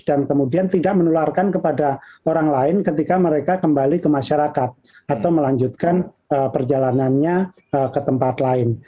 dan kemudian tidak menularkan kepada orang lain ketika mereka kembali ke masyarakat atau melanjutkan perjalanannya ke tempat lain